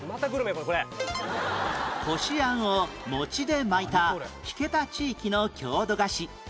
こしあんを餅で巻いた引田地域の郷土菓子